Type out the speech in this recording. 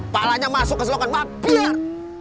palanya masuk ke selokan mafir